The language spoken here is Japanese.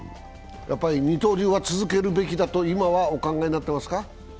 二刀流は続けるべきだと今はお考えになってますか？